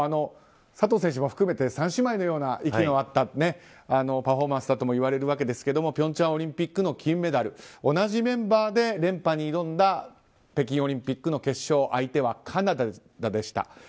佐藤選手も含めて３姉妹のような息の合ったパフォーマンスだともいわれるわけですが平昌オリンピックの金メダル。同じメンバーで連覇に挑んだ北京オリンピックの決勝相手はカナダでした。